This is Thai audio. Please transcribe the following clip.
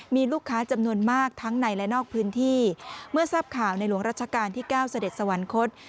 มีลูกค้าจำนวนมากทั้งในและนอกพื้นที่เมื่อทราบข่าวในหลวงรัชกาลที่เก้าเสด็จสวรรคต